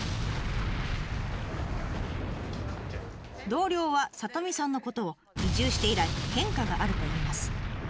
同僚は里美さんのことを移住して以来変化があるといいます。